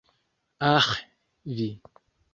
Aĥ, vi.